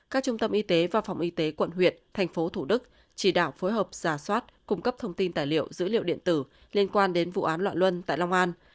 các trung tâm y tế và phòng y tế quận huyện thành phố thủ đức chỉ đạo phối hợp giả soát cung cấp thông tin tài liệu dữ liệu điện tử liên quan đến vụ án loạn luân tại long an